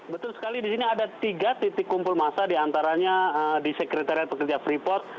betul sekali di sini ada tiga titik kumpul masa diantaranya di sekretariat pekerja freeport